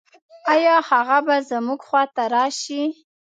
آيا هغه به زموږ خواته راشي؟